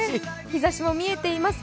日ざしも見えています。